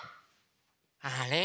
あれ？